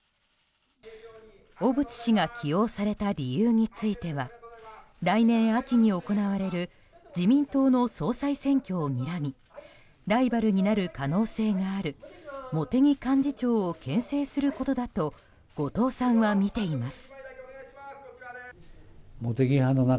小渕氏が起用された理由については来年秋に行われる自民党の総裁選挙をにらみライバルになる可能性がある茂木幹事長をけん制することだと後藤さんは見ています。